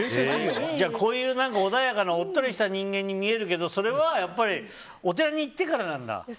じゃあこういう穏やかなおっとりした人間に見えるけどそれはお寺に行ってからなんだ。